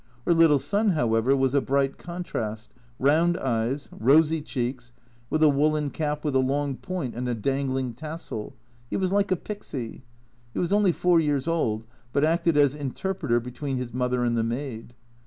Her little son, however, was a bright contrast round eyes, rosy cheeks, with a woollen cap with a long point and a dangling tassel he was like a pixy. He was only four years old, but acted as interpreter between his mother and the maid.